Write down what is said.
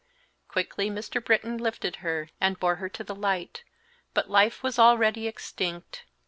Quickly Mr. Britton lifted her and bore her to the light, but life was already extinct.